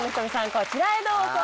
こちらへどうぞ。